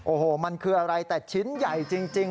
โอ้โหมันคืออะไรแต่ชิ้นใหญ่จริง